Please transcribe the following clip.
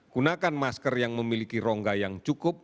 gunakan masker yang memiliki rongga yang cukup